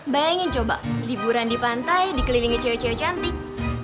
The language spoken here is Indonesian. bayangin coba liburan di pantai dikelilingi cewek cewek cantik